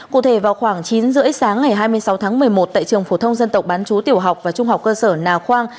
cụ thể vào khoảng chín h ba mươi sáng ngày hai mươi sáu tháng một mươi một tại trường phổ thông dân tộc bán chú tiểu học và trung học cơ sở nà khoang